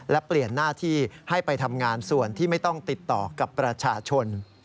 และเปลี่ยนหน้าที่ให้ไปทำงานส่วนที่ไม่ต้องติดต่อกับประชาชน